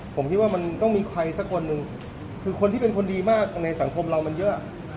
ผมคิดว่ามันต้องมีใครสักคนหนึ่งคือคนที่เป็นคนดีมากในสังคมเรามันเยอะ